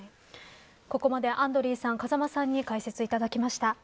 ここまでアンドリーさん風間さんに解説いただきました。